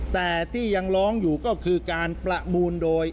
แต่ที่ยังร้องอยู่ก็คือการประมูลโดย